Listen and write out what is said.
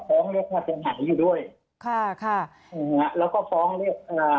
ฟ้องให้เรียกว่าเต็มหายอยู่ด้วยค่ะค่ะแล้วก็ฟ้องให้เรียกอ่า